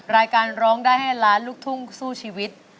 รายการร้องได้ให้ล้านลูกทุ่งสู้ชีวิต